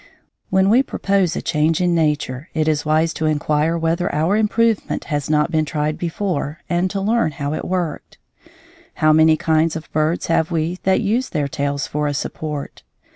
When we propose a change in nature it is wise to inquire whether our improvement has not been tried before and to learn how it worked. How many kinds of birds have we that use their tails for a support?